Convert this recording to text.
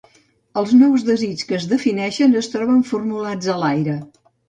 Els nous desigs que es defineixen es troben formulats a l'aire.